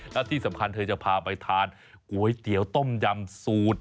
และที่สำคัญเธอจะพาไปทานก๋วยเตี๋ยวต้มยำสูตร